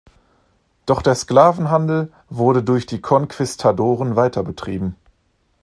Doch der Sklavenhandel wurde durch die Konquistadoren weiter betrieben.